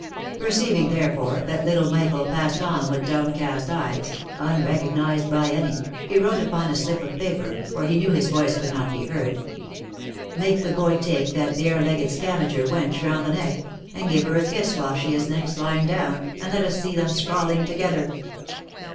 Perceiving, therefore, that little Michael passed on with downcast eyes, unrecognised by any, he wrote upon a slip of paper, for he knew his voice could not be heard " Make the boy take that bare legged scavenger wench round the neck, and give her a kiss while she is next lying down, and let us see them sprawl ing together."